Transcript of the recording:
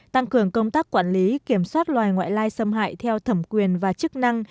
tăng cường công tác quản lý kiểm soát loài ngoại lai xâm hại theo thẩm quyền và chức năng